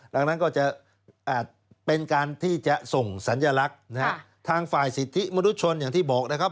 ดังนั้นก็จะอาจเป็นการที่จะส่งสัญลักษณ์ทางฝ่ายสิทธิมนุษยชนอย่างที่บอกนะครับ